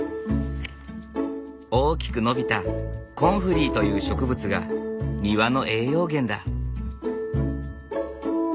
大きく伸びたコンフリーという植物が庭の栄養源だ。